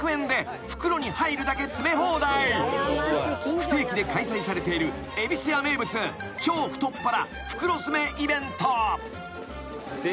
［不定期で開催されているゑびすや名物超太っ腹袋詰めイベント］